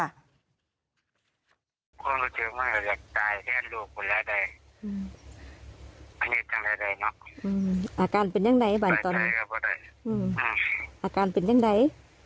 นี่ละเป็นอย่างใดอยู่นี่